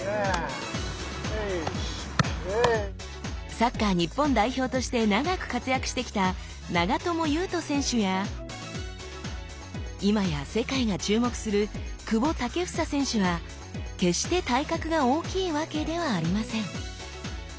サッカー日本代表として長く活躍してきた長友佑都選手や今や世界が注目する久保建英選手は決して体格が大きいわけではありません。